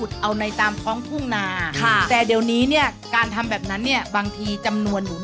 ท่านรองค่ะมีเมียรึยังคะ